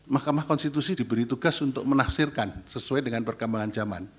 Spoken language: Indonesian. mahkamah konstitusi diberi tugas untuk menafsirkan sesuai dengan perkembangan zaman